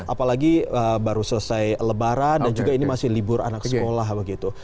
apalagi baru selesai lebaran dan juga ini masih libur anak sekolah begitu